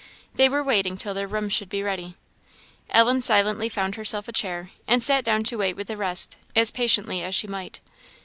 They were waiting till their rooms should be ready. Ellen silently found herself a chair, and sat down to wait with the rest, as patiently as she might.